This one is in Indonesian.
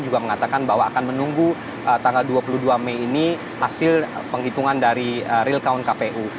juga mengatakan bahwa akan menunggu tanggal dua puluh dua mei ini hasil penghitungan dari real count kpu